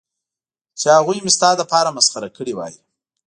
چې هغوی مې ستا لپاره مسخره کړې وای.